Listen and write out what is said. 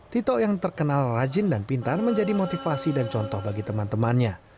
tito yang terkenal rajin dan pintar menjadi motivasi dan contoh bagi teman temannya